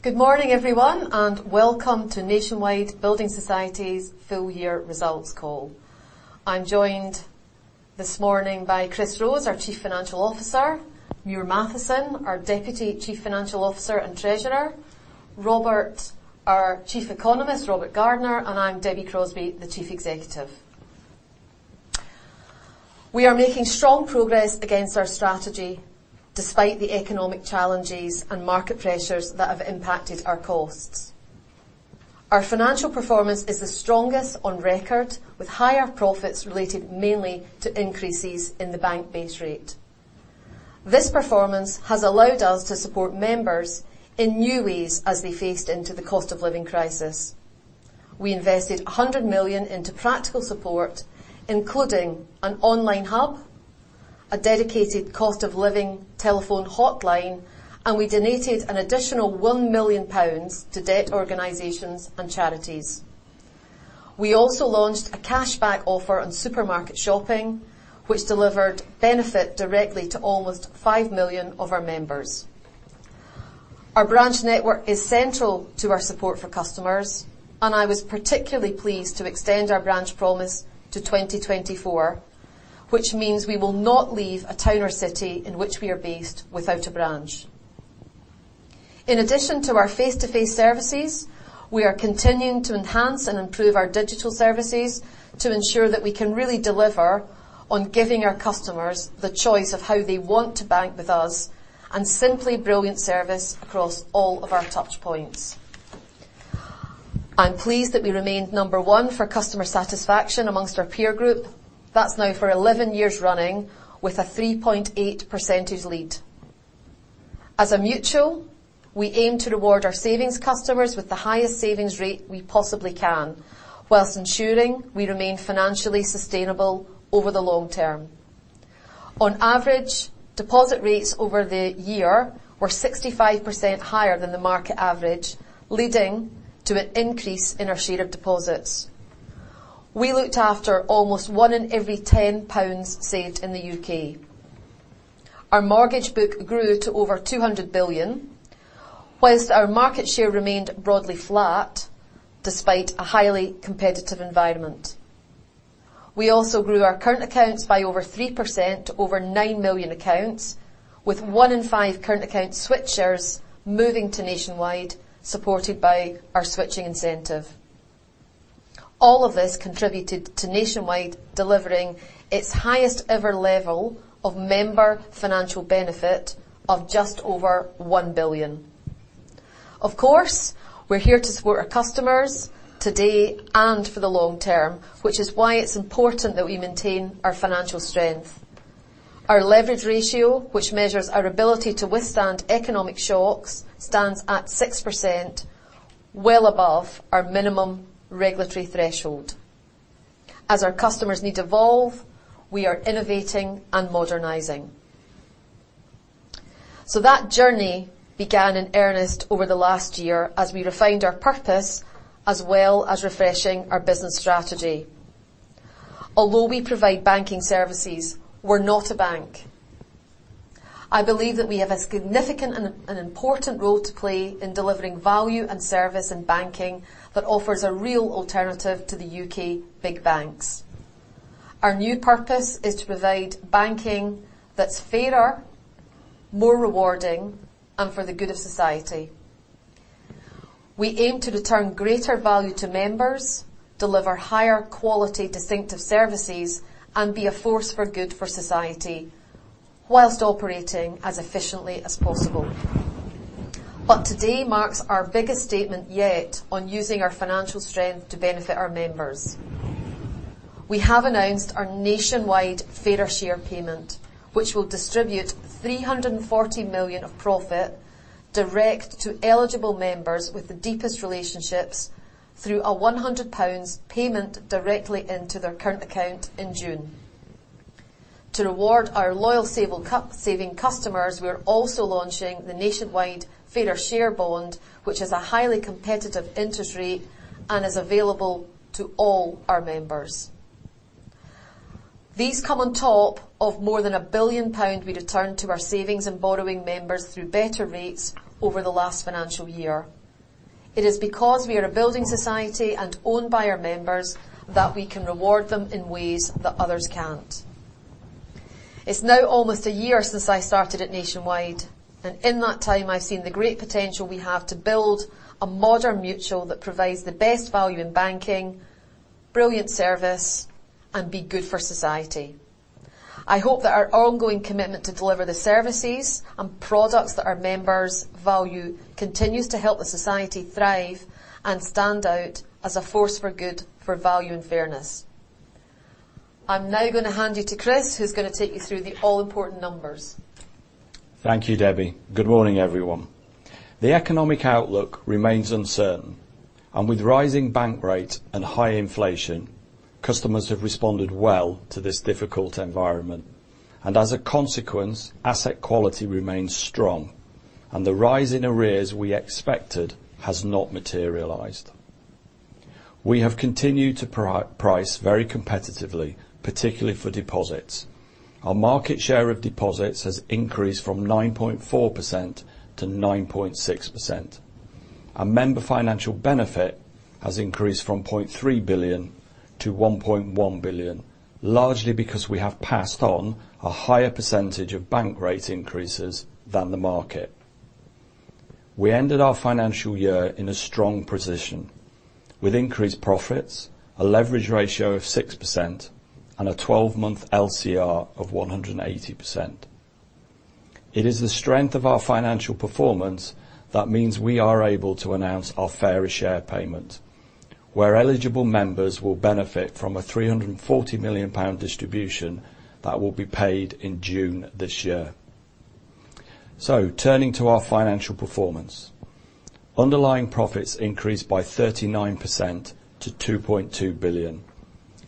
Good morning, everyone, welcome to Nationwide Building Society's Full Year Results Call. I'm joined this morning by Chris Rhodes, our Chief Financial Officer, Muir Mathieson, our Deputy Chief Financial Officer and Treasurer, Robert, our Chief Economist, Robert Gardner, and I'm Debbie Crosbie, the Chief Executive. We are making strong progress against our strategy despite the economic challenges and market pressures that have impacted our costs. Our financial performance is the strongest on record, with higher profits related mainly to increases in the bank base rate. This performance has allowed us to support members in new ways as they faced into the cost of living crisis. We invested 100 million into practical support, including an online hub, a dedicated cost of living telephone hotline, and we donated an additional 1 million pounds to debt organizations and charities. We also launched a cashback offer on supermarket shopping, which delivered benefit directly to almost 5 million of our members. Our branch network is central to our support for customers. I was particularly pleased to extend our branch promise to 2024, which means we will not leave a town or city in which we are based without a branch. In addition to our face-to-face services, we are continuing to enhance and improve our digital services to ensure that we can really deliver on giving our customers the choice of how they want to bank with us and simply brilliant service across all of our touchpoints. I'm pleased that we remained number one for customer satisfaction amongst our peer group. That's now for 11 years running with a 3.8% lead. As a mutual, we aim to reward our savings customers with the highest savings rate we possibly can, while ensuring we remain financially sustainable over the long term. On average, deposit rates over the year were 65%, higher than the market average, leading to an increase in our share of deposits. We looked after almost 1 in every 10 pounds saved in the U.K. Our mortgage book grew to over 200 billion, while our market share remained broadly flat despite a highly competitive environment. We also grew our current accounts by over 3%, to over 9 million accounts, with 1 in 5 current account switchers moving to Nationwide, supported by our switching incentive. All of this contributed to Nationwide delivering its highest ever level of member financial benefit of just over 1 billion. Of course, we're here to support our customers today and for the long term, which is why it's important that we maintain our financial strength. Our leverage ratio, which measures our ability to withstand economic shocks, stands at 6%, well above our minimum regulatory threshold. As our customers' needs evolve, we are innovating and modernizing. That journey began in earnest over the last year as we refined our purpose, as well as refreshing our business strategy. Although we provide banking services, we're not a bank. I believe that we have a significant and important role to play in delivering value and service in banking that offers a real alternative to the U.K. big banks. Our new purpose is to provide banking that's fairer, more rewarding, and for the good of society. We aim to return greater value to members, deliver higher quality, distinctive services, and be a force for good for society whilst operating as efficiently as possible. Today marks our biggest statement yet on using our financial strength to benefit our members. We have announced our Nationwide Fairer Share payment, which will distribute 340 million of profit direct to eligible members with the deepest relationships through a 100 pounds payment directly into their current account in June. To reward our loyal saving customers, we're also launching the Nationwide Fairer Share Bond, which has a highly competitive interest rate and is available to all our members. These come on top of more than 1 billion pound we returned to our savings and borrowing members through better rates over the last financial year. It is because we are a building society and owned by our members that we can reward them in ways that others can't. It's now almost a year since I started at Nationwide, in that time, I've seen the great potential we have to build a modern mutual that provides the best value in banking, brilliant service, and be good for society. I hope that our ongoing commitment to deliver the services and products that our members value continues to help the society thrive and stand out as a force for good, for value and fairness. I'm now gonna hand you to Chris, who's gonna take you through the all-important numbers. Thank you, Debbie. Good morning, everyone. The economic outlook remains uncertain. With rising bank rates and high inflation, customers have responded well to this difficult environment. As a consequence, asset quality remains strong, and the rise in arrears we expected has not materialized. We have continued to price very competitively, particularly for deposits. Our market share of deposits has increased from 9.4% to 9.6%. Our member financial benefit has increased from 0.3 billion to 1.1 billion, largely because we have passed on a higher percentage of bank rate increases than the market. We ended our financial year in a strong position with increased profits, a leverage ratio of 6% and a 12-month LCR of 180%. It is the strength of our financial performance that means we are able to announce our Fairer Share payment, where eligible members will benefit from a 340 million pound distribution that will be paid in June this year. Turning to our financial performance. Underlying profits increased by 39%, to 2.2 billion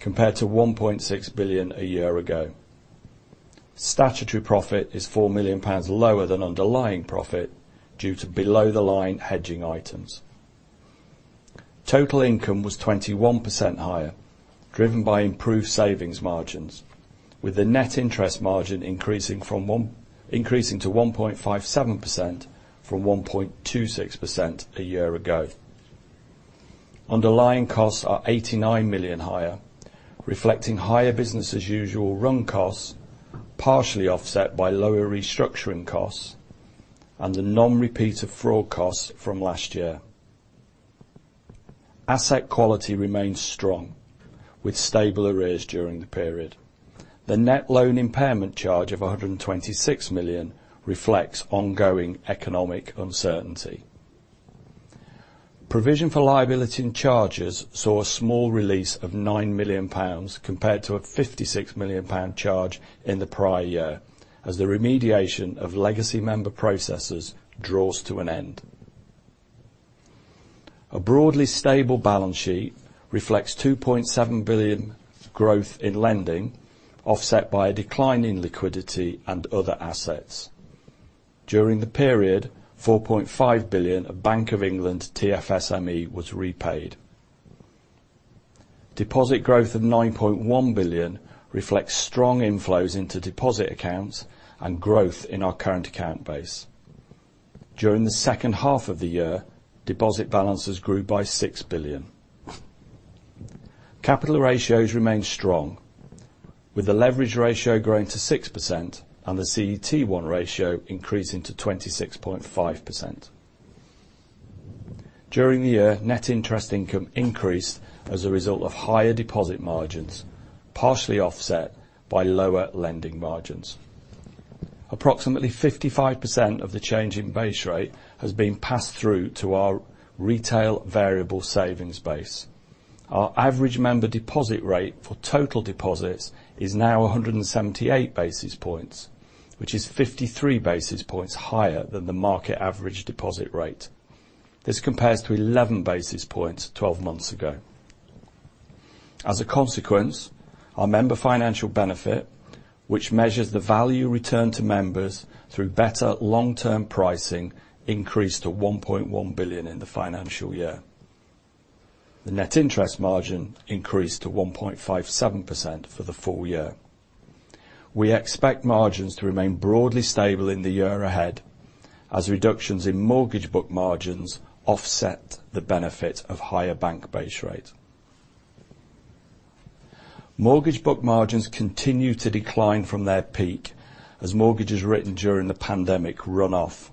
compared to 1.6 billion a year ago. Statutory profit is 4 million pounds lower than underlying profit due to below the line hedging items. Total income was 21% higher, driven by improved savings margins, with the net interest margin increasing to 1.57% from 1.26% a year ago. Underlying costs are 89 million higher, reflecting higher business as usual run costs, partially offset by lower restructuring costs and the non-repeat of fraud costs from last year. Asset quality remains strong, with stable arrears during the period. The net loan impairment charge of 126 million reflects ongoing economic uncertainty. Provision for liability and charges saw a small release of 9 million pounds compared to a 56 million pound charge in the prior year, as the remediation of legacy member processes draws to an end. A broadly stable balance sheet reflects 2.7 billion growth in lending, offset by a decline in liquidity and other assets. During the period, 4.5 billion of Bank of England TFSME was repaid. Deposit growth of 9.1 billion reflects strong inflows into deposit accounts and growth in our current account base. During the second half of the year, deposit balances grew by 6 billion. Capital ratios remained strong, with the leverage ratio growing to 6%, and the CET1 ratio increasing to 26.5%. During the year, net interest income increased as a result of higher deposit margins, partially offset by lower lending margins. Approximately 55%, of the change in base rate has been passed through to our retail variable savings base. Our average member deposit rate for total deposits is now 178 basis points, which is 53 basis points higher than the market average deposit rate. This compares to 11 basis points 12 months ago. As a consequence, our member financial benefit, which measures the value returned to members through better long-term pricing, increased to 1.1 billion in the financial year. The net interest margin increased to 1.57%, for the full year. We expect margins to remain broadly stable in the year ahead as reductions in mortgage book margins offset the benefit of higher bank base rate. Mortgage book margins continue to decline from their peak as mortgages written during the pandemic run off.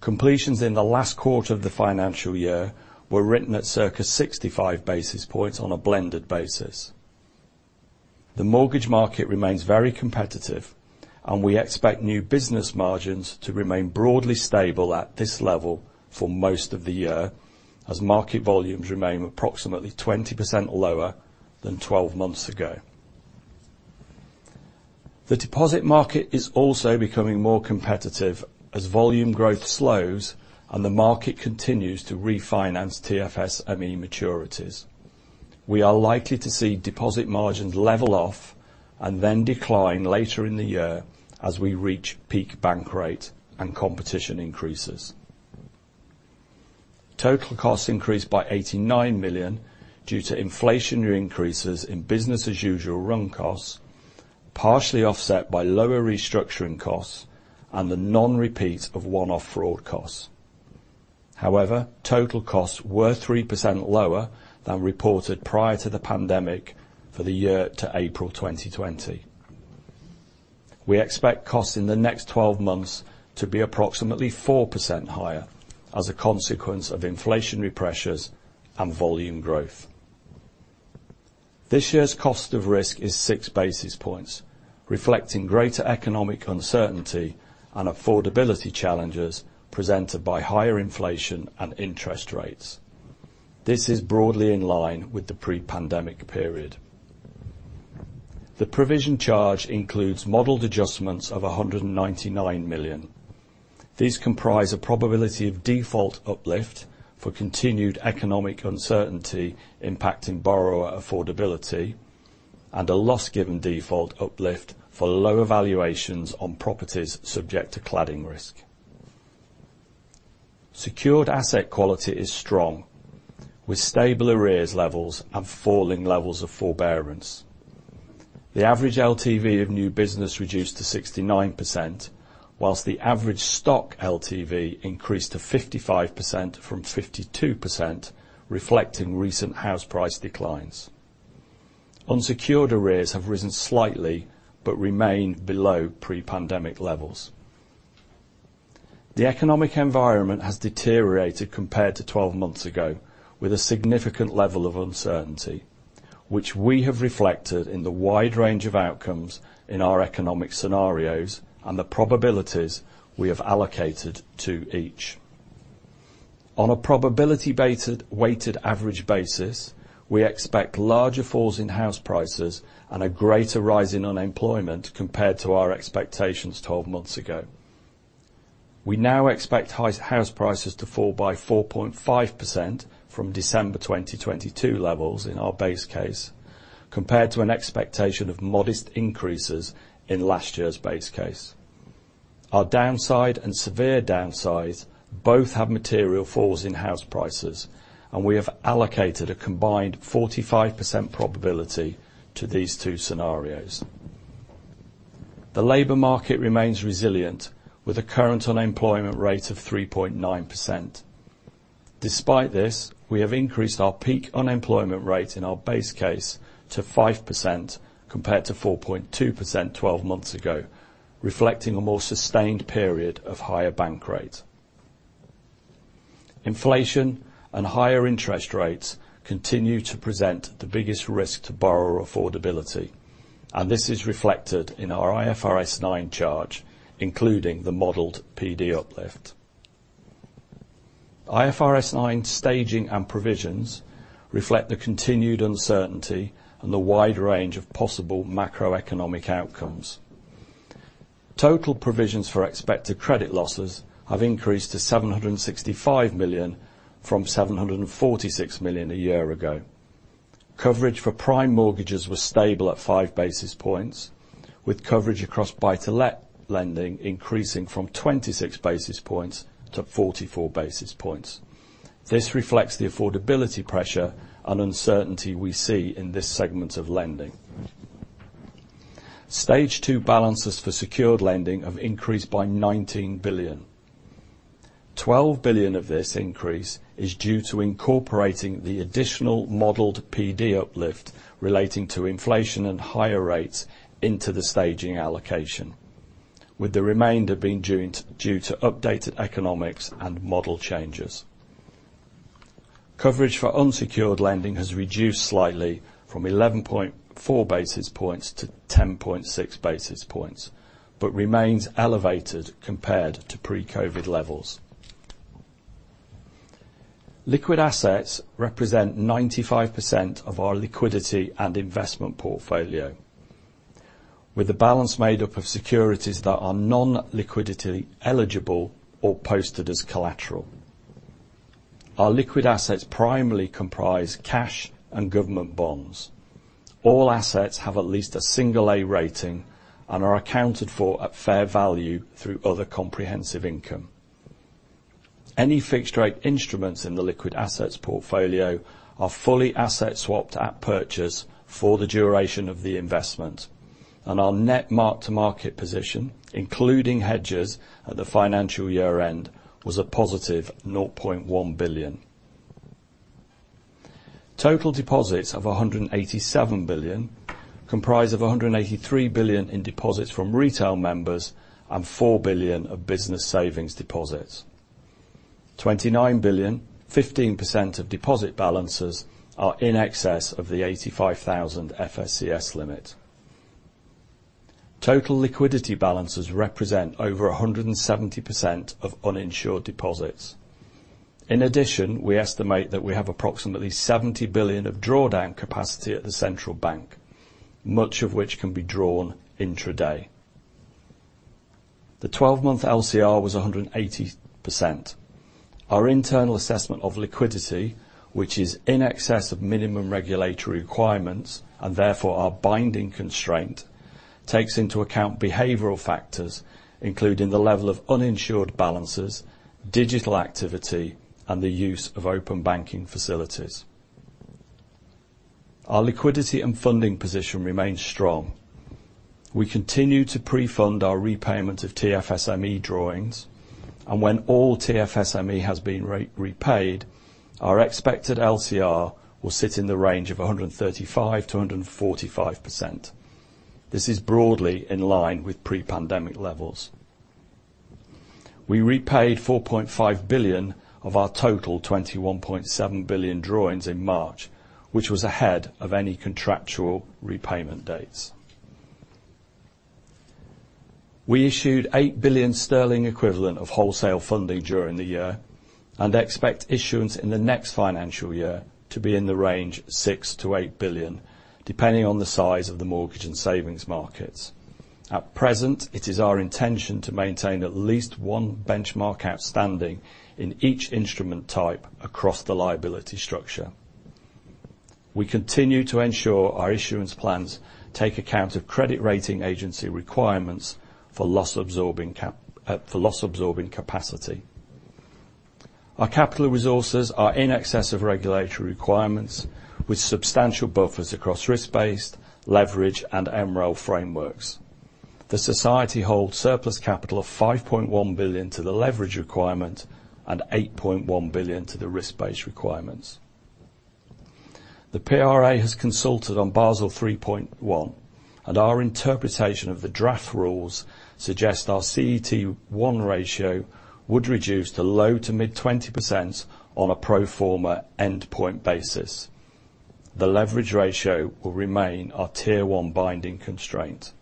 Completions in the last quarter of the financial year were written at circa 65 basis points on a blended basis. The mortgage market remains very competitive. We expect new business margins to remain broadly stable at this level for most of the year as market volumes remain approximately 20%, lower than 12 months ago. The deposit market is also becoming more competitive as volume growth slows and the market continues to refinance TFSME maturities. We are likely to see deposit margins level off and then decline later in the year as we reach peak bank rate and competition increases. Total costs increased by 89 million due to inflationary increases in business as usual run costs, partially offset by lower restructuring costs and the non-repeat of one-off fraud costs. Total costs were 3%, lower than reported prior to the pandemic for the year to April 2020. We expect costs in the next 12 months to be approximately 4%, higher as a consequence of inflationary pressures and volume growth. This year's cost of risk is 6 basis points, reflecting greater economic uncertainty and affordability challenges presented by higher inflation and interest rates. This is broadly in line with the pre-pandemic period. The provision charge includes modeled adjustments of 199 million. These comprise a probability of default uplift for continued economic uncertainty impacting borrower affordability and a loss given default uplift for lower valuations on properties subject to cladding risk. Secured asset quality is strong, with stable arrears levels and falling levels of forbearance. The average LTV of new business reduced to 69%, while the average stock LTV increased to 55% from 52%, reflecting recent house price declines. Unsecured arrears have risen slightly, but remain below pre-pandemic levels. The economic environment has deteriorated compared to 12 months ago with a significant level of uncertainty, which we have reflected in the wide range of outcomes in our economic scenarios and the probabilities we have allocated to each. On a probability-weighted average basis, we expect larger falls in house prices and a greater rise in unemployment compared to our expectations 12 months ago. We now expect house prices to fall by 4.5%, from December 2022 levels in our base case, compared to an expectation of modest increases in last year's base case. Our downside and severe downsides both have material falls in house prices, and we have allocated a combined 45%, probability to these two scenarios. The labor market remains resilient with a current unemployment rate of 3.9%. Despite this, we have increased our peak unemployment rate in our base case to 5%, compared to 4.2%, 12 months ago, reflecting a more sustained period of higher bank rates. Inflation and higher interest rates continue to present the biggest risk to borrower affordability, and this is reflected in our IFRS 9 charge, including the modeled PD uplift. IFRS 9 staging and provisions reflect the continued uncertainty and the wide range of possible macroeconomic outcomes. Total provisions for expected credit losses have increased to 765 million from 746 million a year ago. Coverage for prime mortgages was stable at 5 basis points, with coverage across Buy-to-Let lending increasing from 26 basis points to 44 basis points. This reflects the affordability pressure and uncertainty we see in this segment of lending. Stage two balances for secured lending have increased by 19 billion. 12 billion of this increase is due to incorporating the additional modeled PD uplift relating to inflation and higher rates into the staging allocation, with the remainder being due to updated economics and model changes. Coverage for unsecured lending has reduced slightly from 11.4 basis points to 10.6 basis points, remains elevated compared to pre-COVID levels. Liquid assets represent 95%, of our liquidity and investment portfolio, with a balance made up of securities that are non-liquidity eligible or posted as collateral. Our liquid assets primarily comprise cash and government bonds. All assets have at least a single A rating and are accounted for at fair value through other comprehensive income. Any fixed rate instruments in the liquid assets portfolio are fully asset swapped at purchase for the duration of the investment, our net mark to market position, including hedges at the financial year-end, was a positive 0.1 billion. Total deposits of 187 billion comprise of 183 billion in deposits from retail members and 4 billion of business savings deposits. 29 billion, 15%, of deposit balances are in excess of the 85,000 FSCS limit. Total liquidity balances represent over 170%, of uninsured deposits. In addition, we estimate that we have approximately 70 billion of drawdown capacity at the central bank, much of which can be drawn intraday. The 12-month LCR was 180%. Our internal assessment of liquidity, which is in excess of minimum regulatory requirements, and therefore our binding constraint, takes into account behavioral factors, including the level of uninsured balances, digital activity, and the use of open banking facilities. Our liquidity and funding position remains strong. We continue to pre-fund our repayment of TFSME drawings, and when all TFSME has been repaid, our expected LCR will sit in the range of 135%-145%. This is broadly in line with pre-pandemic levels. We repaid 4.5 billion of our total 21.7 billion drawings in March, which was ahead of any contractual repayment dates. We issued 8 billion sterling equivalent of wholesale funding during the year, and expect issuance in the next financial year to be in the range of 6 billion-8 billion, depending on the size of the mortgage and savings markets. At present, it is our intention to maintain at least one benchmark outstanding in each instrument type across the liability structure. We continue to ensure our issuance plans take account of credit rating agency requirements for loss absorbing cap, for loss absorbing capacity. Our capital resources are in excess of regulatory requirements with substantial buffers across risk-based, leverage, and MREL frameworks. The society holds surplus capital of 5.1 billion to the leverage requirement and 8.1 billion to the risk-based requirements. The PRA has consulted on Basel 3.1. Our interpretation of the draft rules suggest our CET1 ratio would reduce to low to mid 20%, on a pro forma endpoint basis. The leverage ratio will remain our Tier 1 binding constraint.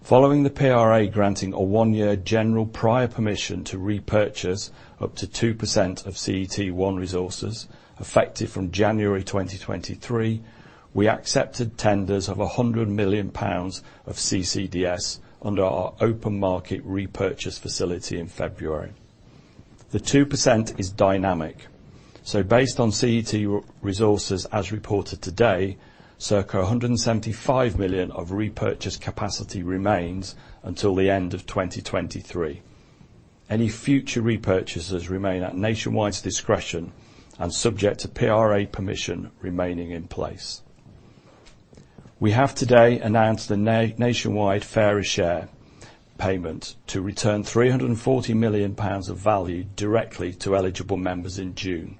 Following the PRA granting a 1-year general prior permission to repurchase up to 2%, of CET1 resources effective from January 2023, we accepted tenders of 100 million pounds of CCDS under our open market repurchase facility in February. The 2% is dynamic. Based on CET resources as reported today, circa 175 million of repurchase capacity remains until the end of 2023. Any future repurchases remain at Nationwide's discretion and subject to PRA permission remaining in place. We have today announced the Nationwide Fairer Share payment to return 340 million pounds of value directly to eligible members in June.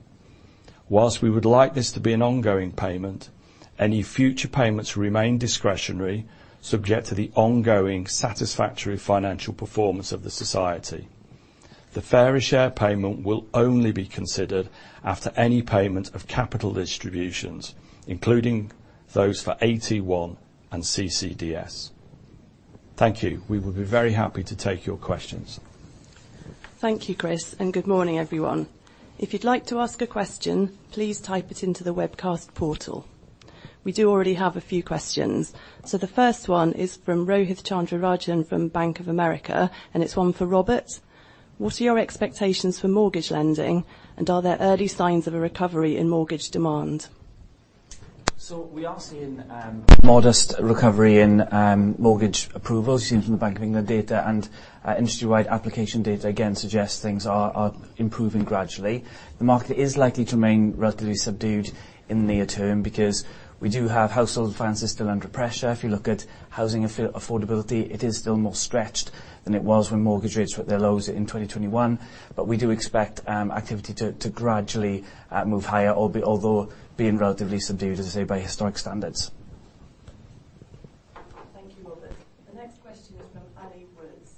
We would like this to be an ongoing payment, any future payments remain discretionary, subject to the ongoing satisfactory financial performance of the society. The Fairer Share payment will only be considered after any payment of capital distributions, including those for AT1 and CCDS. Thank you. We would be very happy to take your questions. Thank you, Chris. Good morning, everyone. If you'd like to ask a question, please type it into the webcast portal. We do already have a few questions. The first one is from Rohith Chandrarajan from Bank of America, and it's one for Robert. What are your expectations for mortgage lending, and are there early signs of a recovery in mortgage demand? We are seeing modest recovery in mortgage approvals seen from the Bank of England data and industry-wide application data again suggests things are improving gradually. The market is likely to remain relatively subdued in the near term because we do have household finances still under pressure. If you look at housing affordability, it is still more stretched than it was when mortgage rates were at their lows in 2021. We do expect activity to gradually move higher, although being relatively subdued, as I say, by historic standards. Thank you, Robert. The next question is from Ali Woods.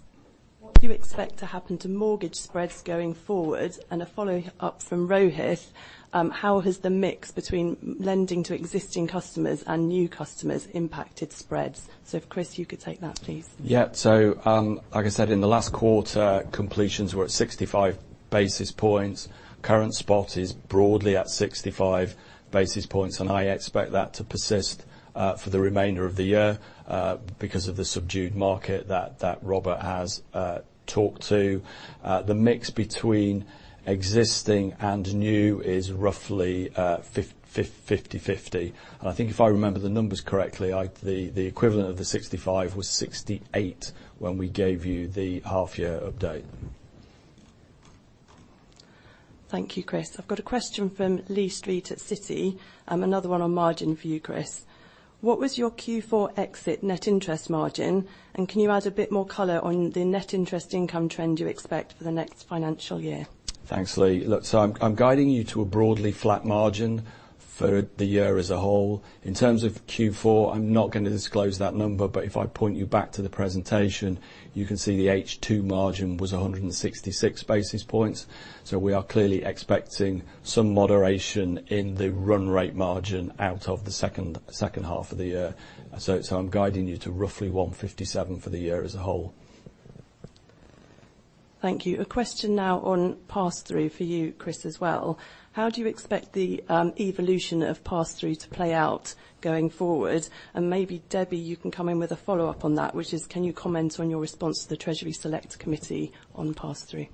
What do you expect to happen to mortgage spreads going forward? A follow up from Rohith, how has the mix between lending to existing customers and new customers impacted spreads? If Chris, you could take that, please. Like I said, in the last quarter, completions were at 65 basis points. Current spot is broadly at 65 basis points, and I expect that to persist for the remainder of the year because of the subdued market that Robert has talked to. The mix between existing and new is roughly 50/50. I think if I remember the numbers correctly, the equivalent of the 65 was 68 when we gave you the half year update. Thank you, Chris. I've got a question from Lee Street at Citi, another one on margin for you, Chris. What was your Q4 exit net interest margin, and can you add a bit more color on the net interest income trend you expect for the next financial year? Thanks, Lee. Look, I'm guiding you to a broadly flat margin for the year as a whole. In terms of Q4, I'm not gonna disclose that number, but if I point you back to the presentation, you can see the H2 margin was 166 basis points. We are clearly expecting some moderation in the run rate margin out of the second half of the year. I'm guiding you to roughly 157 for the year as a whole. Thank you. A question now on pass-through for you, Chris, as well. How do you expect the evolution of pass-through to play out going forward? Maybe Debbie, you can come in with a follow-up on that, which is can you comment on your response to the Treasury Select Committee on pass-through?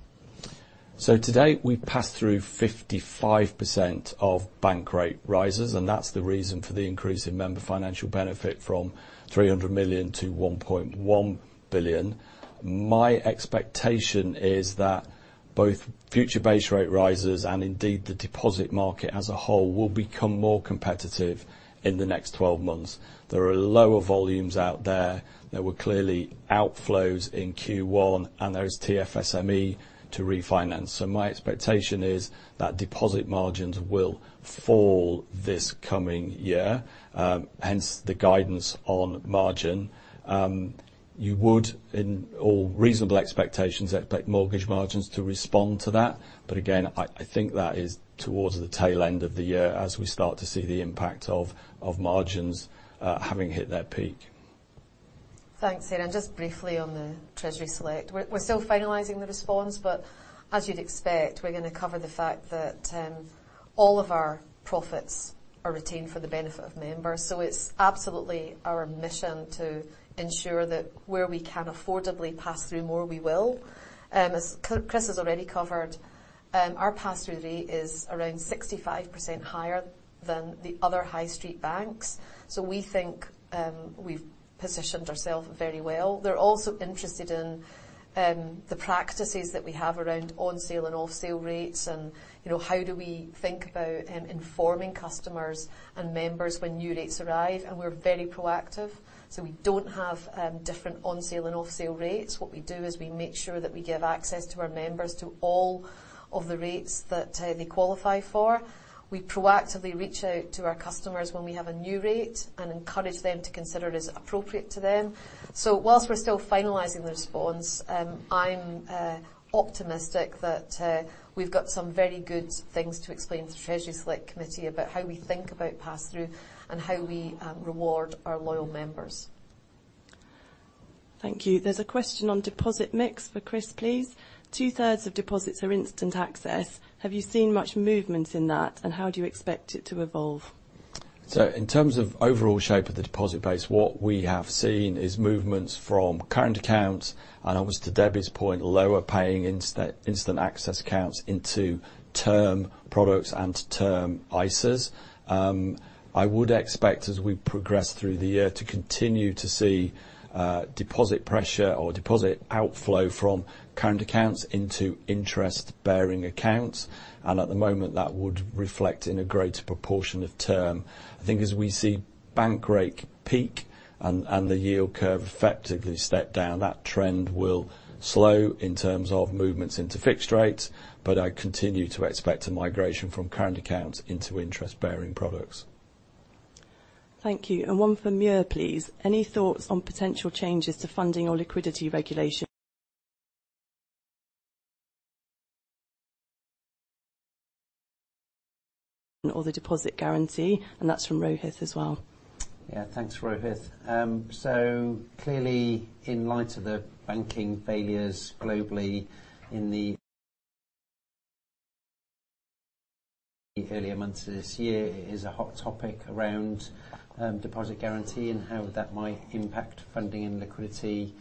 To date, we've passed through 55%, of bank rate rises, and that's the reason for the increase in member financial benefit from 300 million to 1.1 billion. My expectation is that both future base rate rises and indeed the deposit market as a whole will become more competitive in the next 12 months. There are lower volumes out there. There were clearly outflows in Q1, and there is TFSME to refinance. My expectation is that deposit margins will fall this coming year, hence the guidance on margin. You would in all reasonable expectations expect mortgage margins to respond to that. Again, I think that is towards the tail end of the year as we start to see the impact of margins having hit their peak. Thanks. Yeah, just briefly on the Treasury Select. We're still finalizing the response. As you'd expect, we're gonna cover the fact that all of our profits. Retained for the benefit of members. It's absolutely our mission to ensure that where we can affordably pass through more, we will. As Chris has already covered, our pass-through rate is around 65%, higher than the other high street banks. We think we've positioned ourself very well. They're also interested in the practices that we have around on-sale and off-sale rates, and, you know, how do we think about informing customers and members when new rates arrive. We're very proactive, we don't have different on-sale and off-sale rates. What we do is we make sure that we give access to our members to all of the rates that they qualify for. We proactively reach out to our customers when we have a new rate and encourage them to consider it as appropriate to them. Whilst we're still finalizing the response, I'm optimistic that we've got some very good things to explain to Treasury Select Committee about how we think about pass-through and how we reward our loyal members. Thank you. There's a question on deposit mix for Chris, please. Two-thirds of deposits are instant access. Have you seen much movement in that? How do you expect it to evolve? In terms of overall shape of the deposit base, what we have seen is movements from current accounts, and obviously to Debbie's point, lower paying instant access accounts into term products and term ISAs. I would expect as we progress through the year to continue to see deposit pressure or deposit outflow from current accounts into interest-bearing accounts, and at the moment, that would reflect in a greater proportion of term. I think as we see bank rate peak and the yield curve effectively step down, that trend will slow in terms of movements into fixed rates, but I continue to expect a migration from current accounts into interest-bearing products. Thank you. One for Muir, please. Any thoughts on potential changes to funding or liquidity regulation or the deposit guarantee? That's from Rohith as well. Yeah. Thanks, Rohith. Clearly, in light of the banking failures globally in the earlier months this year, it is a hot topic around deposit guarantee and how that might impact funding and liquidity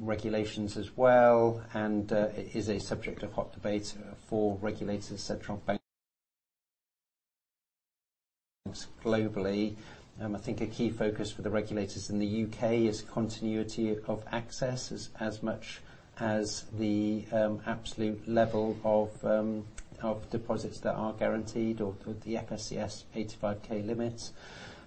regulations as well, and it is a subject of hot debate for regulators, central banks globally. I think a key focus for the regulators in the UK is continuity of access as much as the absolute level of deposits that are guaranteed or with the FSCS 85K limits.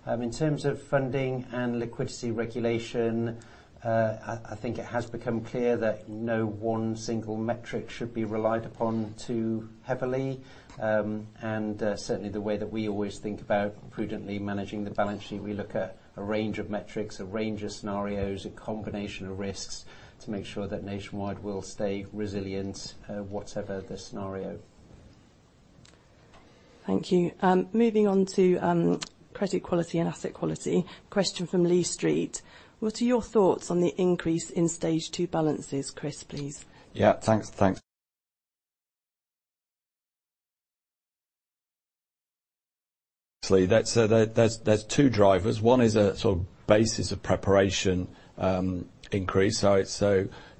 In terms of funding and liquidity regulation, I think it has become clear that no one single metric should be relied upon too heavily. Certainly the way that we always think about prudently managing the balance sheet, we look at a range of metrics, a range of scenarios, a combination of risks to make sure that Nationwide will stay resilient, whatever the scenario. Thank you. Moving on to credit quality and asset quality. Question from Lee Street. What are your thoughts on the increase in Stage 2 balances, Chris, please? Yeah. Thanks, thanks. That's, there's two drivers. One is a sort of basis of preparation increase. It's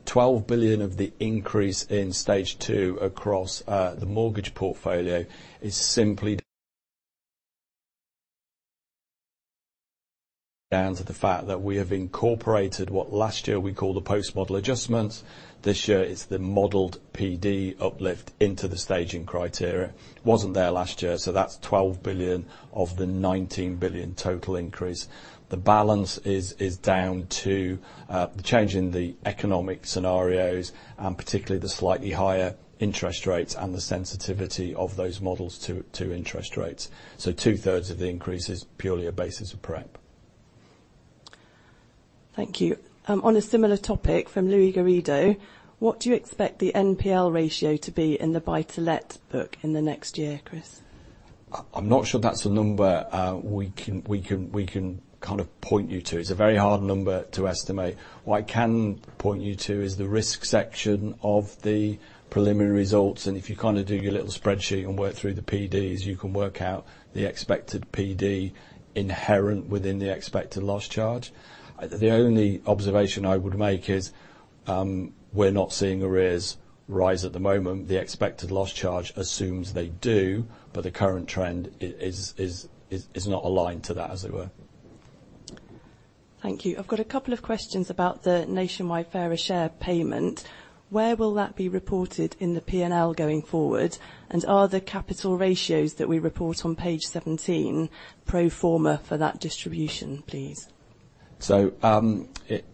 12 billion of the increase in stage two across the mortgage portfolio is simply down to the fact that we have incorporated what last year we call the post-model adjustments. This year it's the modeled PD uplift into the staging criteria. Wasn't there last year, that's 12 billion of the 19 billion total increase. The balance is down to the change in the economic scenarios, particularly the slightly higher interest rates and the sensitivity of those models to interest rates. Two-thirds of the increase is purely a basis of prep. Thank you. On a similar topic from Luis Garrido, what do you expect the NPL ratio to be in the Buy-to-Let book in the next year, Chris? I'm not sure that's a number we can kind of point you to. It's a very hard number to estimate. What I can point you to is the risk section of the preliminary results. If you kinda do your little spreadsheet and work through the PDs, you can work out the expected PD inherent within the expected loss charge. The only observation I would make is we're not seeing arrears rise at the moment. The expected loss charge assumes they do. The current trend is not aligned to that, as it were. Thank you. I've got a couple of questions about the Nationwide Fairer Share payment. Where will that be reported in the P&L going forward? Are the capital ratios that we report on page 17 pro forma for that distribution, please?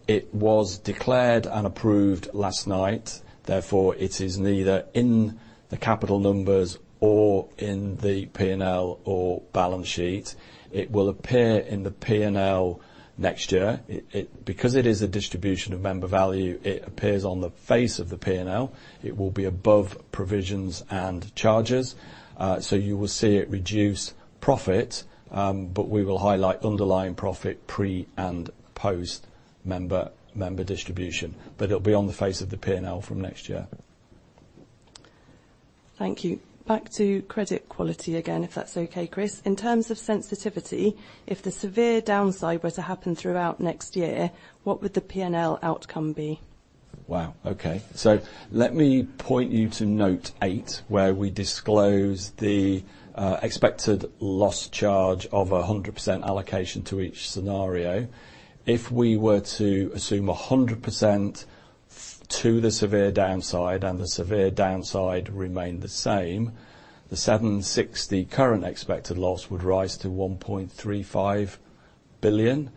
it was declared and approved last night, therefore it is neither in the capital numbers or in the P&L or balance sheet. It will appear in the P&L next year. It, it, because it is a distribution of member value, it appears on the face of the P&L. It will be above provisions and charges. you will see it reduce profit, we will highlight underlying profit pre and post-member distribution. it'll be on the face of the P&L from next year. Thank you. Back to credit quality again, if that's okay, Chris. In terms of sensitivity, if the severe downside were to happen throughout next year, what would the P&L outcome be? Wow, okay. Let me point you to note eight, where we disclose the expected loss charge of 100%, allocation to each scenario. If we were to assume 100%, to the severe downside and the severe downside remained the same, the 760 million current expected loss would rise to 1.35 billion.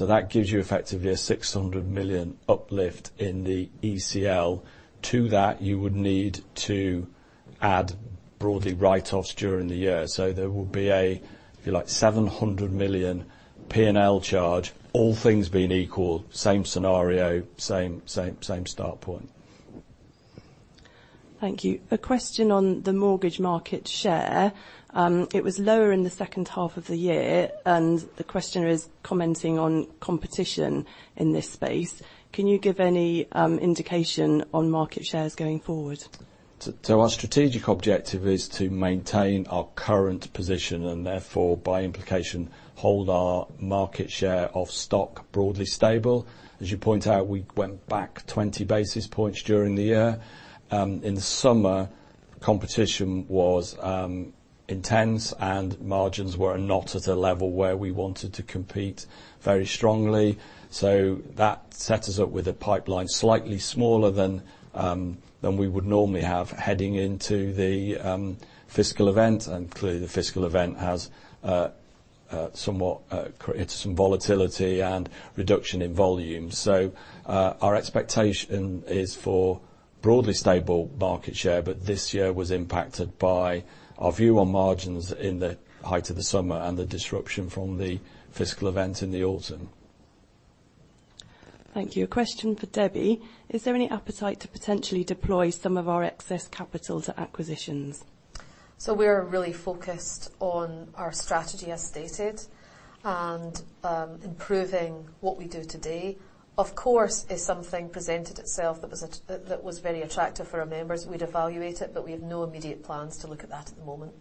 That gives you effectively a 600 million uplift in the ECL. To that, you would need to add broadly write-offs during the year. There will be a, if you like, 700 million P&L charge, all things being equal, same scenario, same start point. Thank you. A question on the mortgage market share. It was lower in the second half of the year, and the question is commenting on competition in this space. Can you give any indication on market shares going forward? Our strategic objective is to maintain our current position and therefore by implication, hold our market share of stock broadly stable. As you point out, we went back 20 basis points during the year. In the summer, competition was intense and margins were not at a level where we wanted to compete very strongly. That set us up with a pipeline slightly smaller than we would normally have heading into the fiscal event. Clearly, the fiscal event has somewhat created some volatility and reduction in volume. Our expectation is for broadly stable market share, but this year was impacted by our view on margins in the height of the summer and the disruption from the fiscal event in the autumn. Thank you. A question for Debbie. Is there any appetite to potentially deploy some of our excess capital to acquisitions? We are really focused on our strategy as stated, and improving what we do today. Of course, if something presented itself that was very attractive for our members, we'd evaluate it, but we have no immediate plans to look at that at the moment.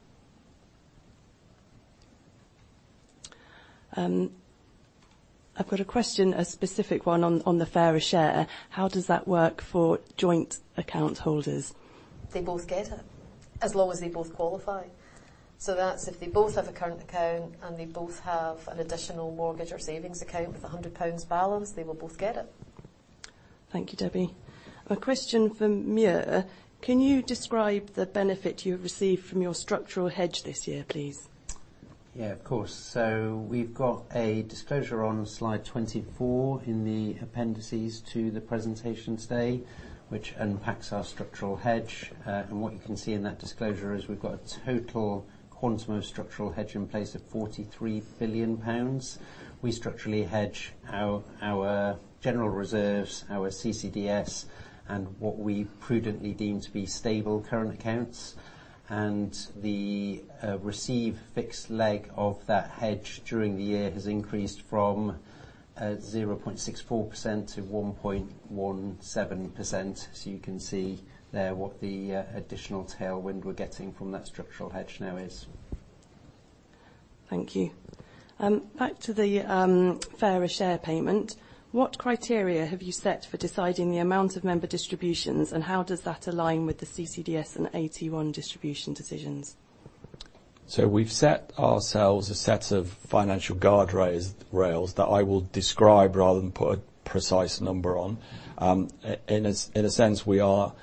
I've got a question, a specific one on the Fairer Share. How does that work for joint account holders? They both get it, as long as they both qualify. That's if they both have a current account and they both have an additional mortgage or savings account with a 100 pounds balance, they will both get it. Thank you, Debbie. A question for Muir. Can you describe the benefit you received from your structural hedge this year, please? Yeah, of course. We've got a disclosure on slide 24 in the appendices to the presentation today, which unpacks our structural hedge. What you can see in that disclosure is we've got a total quantum of structural hedge in place of 43 billion pounds. We structurally hedge our general reserves, our CCDS, and what we prudently deem to be stable current accounts. The receive fixed leg of that hedge during the year has increased from 0.64% to 1.17%. You can see there what the additional tailwind we're getting from that structural hedge now is. Thank you. Back to the Fairer Share payment. What criteria have you set for deciding the amount of member distributions, and how does that align with the CCDS and AT1 distribution decisions? We've set ourselves a set of financial guard rails that I will describe rather than put a precise number on. In a sense, we are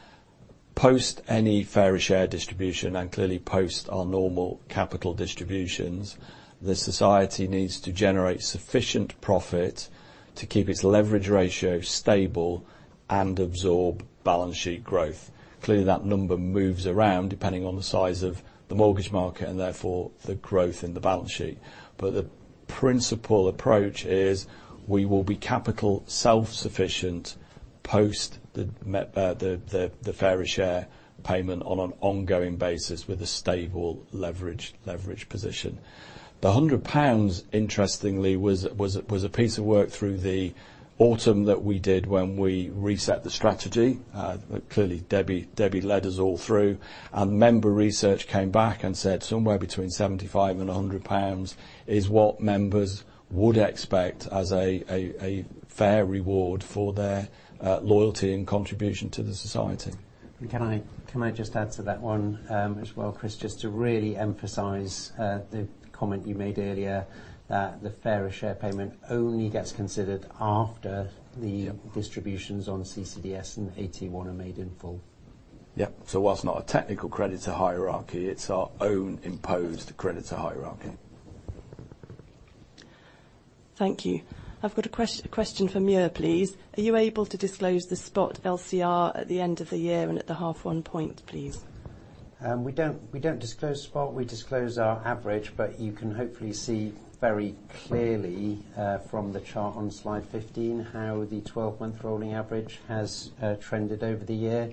post any Fairer Share distribution and clearly post our normal capital distributions. The society needs to generate sufficient profit to keep its leverage ratio stable and absorb balance sheet growth. Clearly, that number moves around depending on the size of the mortgage market and therefore the growth in the balance sheet. The principal approach is we will be capital self-sufficient post the Fairer Share payment on an ongoing basis with a stable leverage position. The 100 pounds, interestingly, was a piece of work through the autumn that we did when we reset the strategy. Clearly, Debbie led us all through. Member research came back and said somewhere between 75 and 100 pounds is what members would expect as a fair reward for their loyalty and contribution to the Society. Can I just add to that one, as well, Chris, just to really emphasize, the comment you made earlier that the Fairer Share payment only gets considered after. Yeah distributions on CCDS and AT1 are made in full. Yeah. Whilst it's not a technical creditor hierarchy, it's our own imposed creditor hierarchy. Thank you. I've got a question for Muir, please. Are you able to disclose the spot LCR at the end of the year and at the half one point, please? We don't, we don't disclose spot. We disclose our average, but you can hopefully see very clearly from the chart on slide 15, how the 12-month rolling average has trended over the year.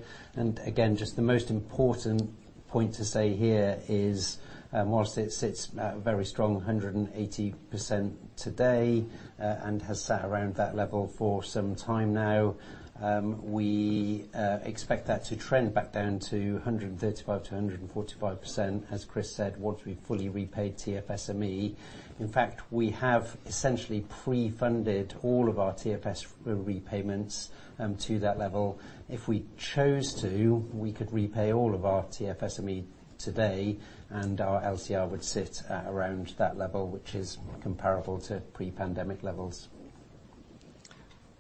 Just the most important point to say here is, whilst it sits at very strong 180% today, and has sat around that level for some time now, we expect that to trend back down to 135%-145%, as Chris said, once we've fully repaid TFSME. In fact, we have essentially pre-funded all of our TFS repayments to that level. If we chose to, we could repay all of our TFSME today, and our LCR would sit at around that level, which is comparable to pre-pandemic levels.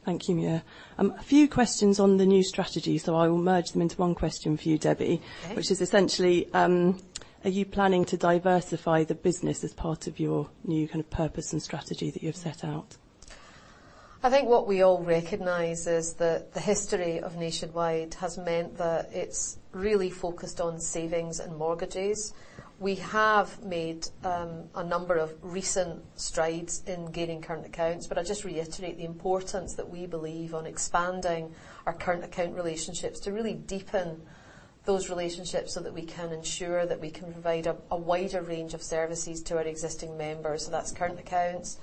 Thank you, Muir. A few questions on the new strategy, so I will merge them into one question for you, Debbie. Okay. Which is essentially, are you planning to diversify the business as part of your new kind of purpose and strategy that you've set out? I think what we all recognize is that the history of Nationwide has meant that it's really focused on savings and mortgages. We have made, a number of recent strides in gaining current accounts, but I just reiterate the importance that we believe on expanding our current account relationships to really deepen those relationships so that we can ensure that we can provide a wider range of services to our existing members. That's current accounts,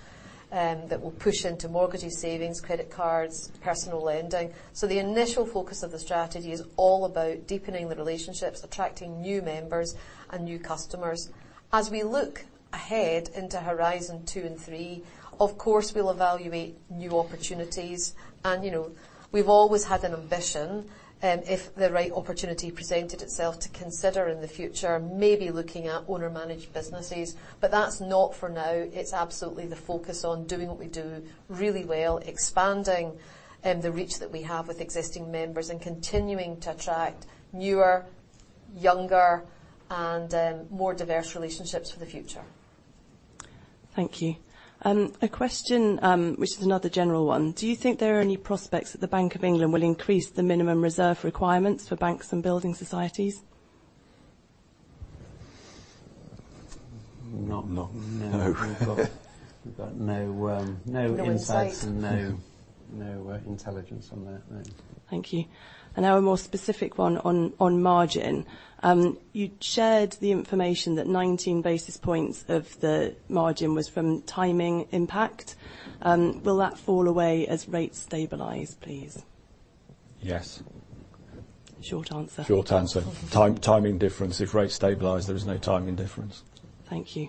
that will push into mortgages, savings, credit cards, personal lending. The initial focus of the strategy is all about deepening the relationships, attracting new members and new customers. As we look ahead into horizon two and three, of course, we'll evaluate new opportunities, and, you know, we've always had an ambition, if the right opportunity presented itself to consider in the future, maybe looking at owner-managed businesses. That's not for now. It's absolutely the focus on doing what we do really well, expanding the reach that we have with existing members and continuing to attract newer, younger, and more diverse relationships for the future. Thank you. A question, which is another general one. Do you think there are any prospects that the Bank of England will increase the minimum reserve requirements for banks and building societies? Not, no. No. We've got no. No insight.... insights and no, intelligence on that, no. Thank you. Now a more specific one on margin. You shared the information that 19 basis points of the margin was from timing impact. Will that fall away as rates stabilize, please? Yes. Short answer. Short answer. Time-timing difference. If rates stabilize, there is no timing difference. Thank you.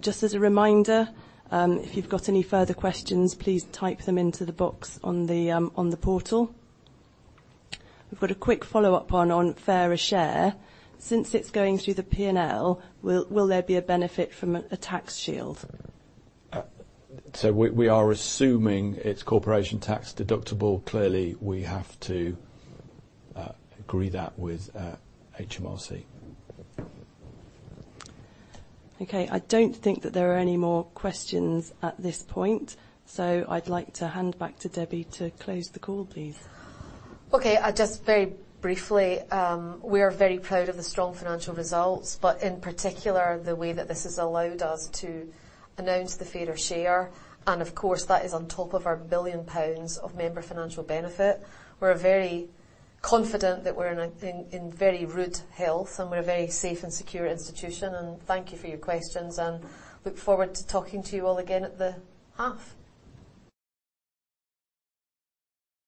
Just as a reminder, if you've got any further questions, please type them into the box on the portal. We've got a quick follow-up on Fairer Share. Since it's going through the P&L, will there be a benefit from a tax shield? We are assuming it's corporation tax deductible. Clearly, we have to agree that with HMRC. Okay. I don't think that there are any more questions at this point, so I'd like to hand back to Debbie to close the call, please. Okay. Just very briefly, we are very proud of the strong financial results, but in particular, the way that this has allowed us to announce the Fairer Share, and of course, that is on top of our 1 billion pounds of member financial benefit. We're very confident that we're in very rude health. We're a very safe and secure institution. Thank you for your questions. Look forward to talking to you all again at the half.